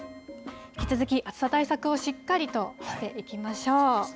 引き続き、暑さ対策をしっかりとしていきましょう。